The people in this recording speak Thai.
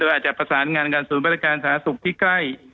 อาจจะประสานงานกับศูนย์บริการสาธารณสุขที่ใกล้